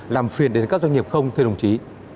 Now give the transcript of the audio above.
làm phiền đến các doanh nghiệp không thưa đồng chí